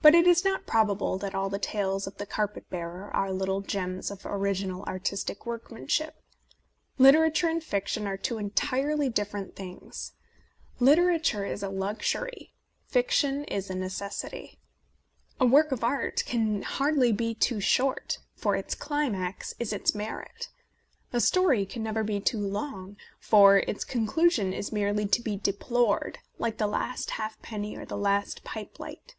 But it is not probable that all the tales of the carpet bearer are little gems of original artistic workmanship. Literature and fiction are two entirely different things. Literature is A Defence of Penny Dreadfuls a luxury ; fiction is a necessity. A work of art can hardly be too short, for its climax is its merit. A story can never be too long, for its conclusion is merely to be deplored, like the last halfpenny or the last pipelight.